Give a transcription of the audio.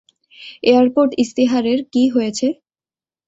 Airport ইস্তাহারের কী হয়েছে?